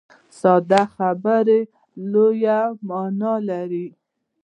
ساده خبره لویه معنا لري.